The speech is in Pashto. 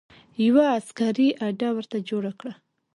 یوه عسکري اډه ورته جوړه کړه.